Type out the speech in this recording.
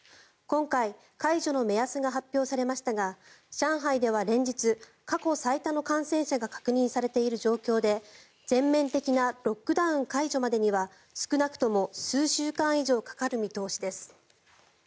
今回、解除の目安が発表されましたが上海では連日過去最多の感染者が確認されている状況で全面的なロックダウン解除までには少なくとも数週間以上かかる見通しです。